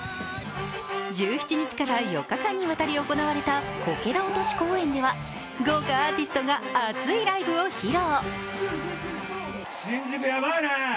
１７日から４日間にわたり行われたこけら落とし公演では、豪華アーティストが熱いライブを披露。